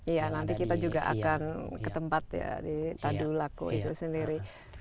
iya nanti kita juga akan ke tempat ya di tadulako itu sendiri